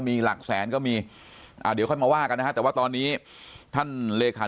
มีหลักแสนก็มีเดี๋ยวค่อยมาว่ากันนะฮะแต่ว่าตอนนี้ท่านเลขา